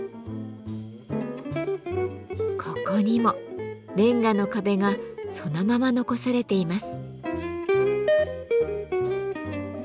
ここにもレンガの壁がそのまま残されています。